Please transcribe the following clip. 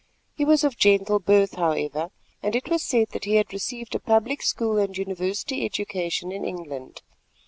He was of gentle birth, however, and it was said that he had received a public school and university education in England.